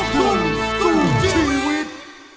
ขอบคุณครับ